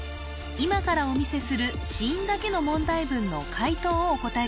今からお見せする子音だけの問題文の解答をお答え